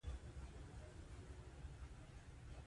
باسواده میندې د ماشومانو د خوب وخت تنظیموي.